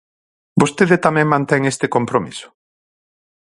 ¿Vostede tamén mantén este compromiso?